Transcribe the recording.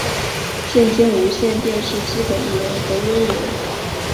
现兼无线电视基本艺人合约艺人。